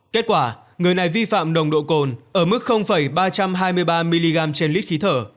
kết quả người này vi phạm nồng độ cồn ở mức ba trăm hai mươi ba mg trên lít khí thở